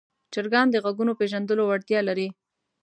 چرګان د غږونو پېژندلو وړتیا لري.